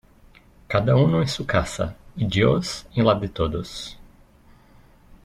Cada uno en su casa, y Dios en la de todos.